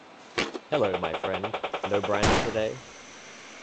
Hello my friend, no brandy today?